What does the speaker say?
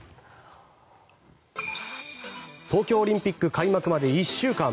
東京オリンピック開幕まで１週間。